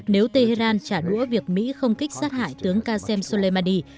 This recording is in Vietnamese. nếu tehran trả đũa việc mỹ không kích sát hại tướng qasem soleimandy